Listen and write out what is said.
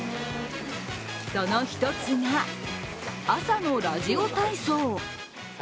その一つが、朝のラジオ体操。